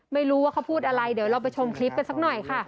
ไม่รู้ว่าเขาพูดอะไรเดี๋ยวเราไปชมคลิปกันสักหน่อยค่ะ